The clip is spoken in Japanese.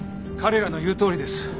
彼らの言うとおりです。